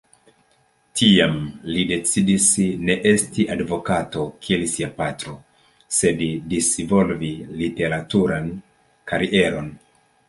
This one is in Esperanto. Tiam, li decidis ne esti advokato, kiel sia patro, sed disvolvi literaturan karieron.